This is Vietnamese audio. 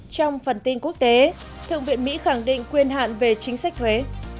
trong phần tin quốc tế thượng viện mỹ khẳng định quyền hạn về chính sách thuế